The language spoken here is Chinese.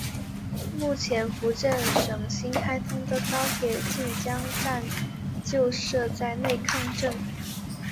目前福建省新开通的高铁晋江站就设在内坑镇。